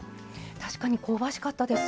確かに香ばしかったです。